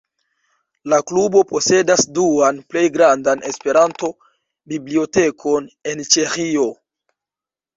La Klubo posedas duan plej grandan Esperanto-bibliotekon en Ĉeĥio.